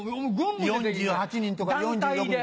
４８人とか４６人。